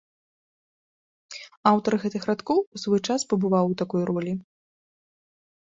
Аўтар гэтых радкоў у свой час пабываў у такой ролі.